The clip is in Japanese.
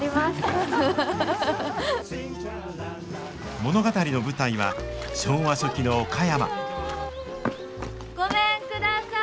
物語の舞台は昭和初期の岡山ごめんください。